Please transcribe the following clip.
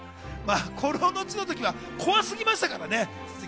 『孤狼の血』の時は怖すぎましたからね。